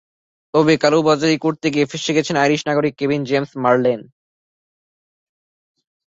তবে কালোবাজারি করতে গিয়ে ফেঁসে গেছেন আইরিশ নাগরিক কেভিন জেমস মারলেন।